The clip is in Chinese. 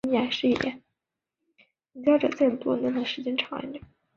生态旅游服务中心和赏鹰平台是为了使民众能更解八卦山生态所设。